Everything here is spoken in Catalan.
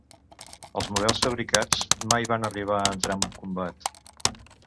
Els models fabricats mai van arribar a entrar en combat.